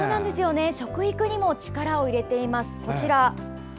食育にも力を入れています。